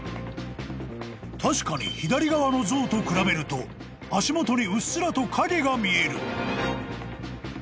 ［確かに左側の像と比べると足元にうっすらと影が見える］